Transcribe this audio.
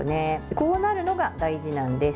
こうなるのが大事なんです。